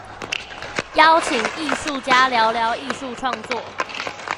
邀請藝術家聊聊藝術創作